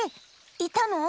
いたの？